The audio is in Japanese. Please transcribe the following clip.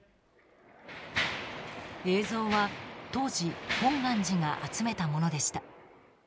映像は、当時本願寺が集めたものでした。